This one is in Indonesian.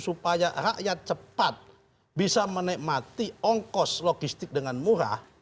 supaya rakyat cepat bisa menikmati ongkos logistik dengan murah